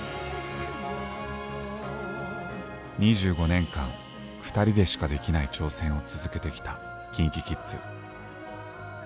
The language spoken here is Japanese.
２５年間ふたりでしかできない挑戦を続けてきたＫｉｎＫｉＫｉｄｓ。